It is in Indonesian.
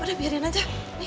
udah biarin aja